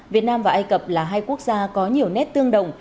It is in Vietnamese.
việt nam và ai cập là hai quốc gia có nhiều nét tương đồng